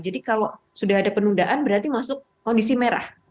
jadi kalau sudah ada penundaan berarti masuk kondisi merah